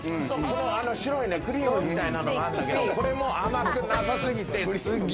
そう、白いクリームみたいなのがあるんだけれど、これも甘くなさすぎて。